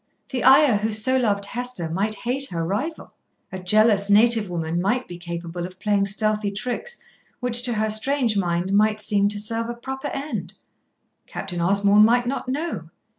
The Ayah who so loved Hester might hate her rival. A jealous native woman might be capable of playing stealthy tricks, which, to her strange mind, might seem to serve a proper end. Captain Osborn might not know.